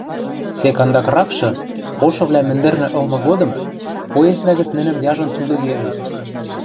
Сек андакракшы, ошывлӓ мӹндӹрнӹ ылмы годым, поезднӓ гӹц нӹнӹм яжон цудыгевӹ